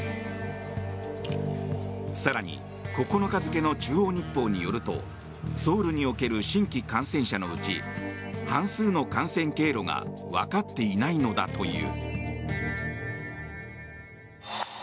更に、９日付けの中央日報によるとソウルにおける新規感染者のうち半数の感染経路が分かっていないのだという。